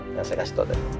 yang saya kasih tau tadi